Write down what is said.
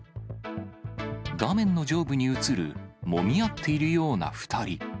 画面の上部に写る、もみ合っているような２人。